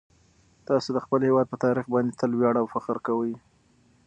تاسو د خپل هیواد په تاریخ باندې تل ویاړ او فخر کوئ.